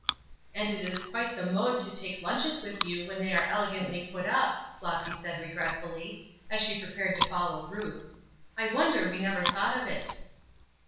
"And it is quite the mode to take lunches with you when they are elegantly put up," Flossy said, regretfully, as she prepared to follow Ruth. "I wonder we never thought of it."